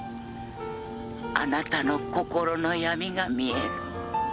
あなたの心の闇が見える。